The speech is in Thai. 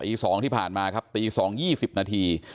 อาทิตย์สองที่ผ่านมาครับอาทิตย์สองยี่สิบนาที